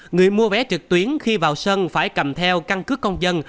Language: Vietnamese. người mua vé trực tuyến khi vào sân phải cầm theo căn cứ công dân